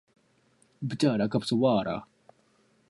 The Buchan Local Action Plan will address some of these concerns.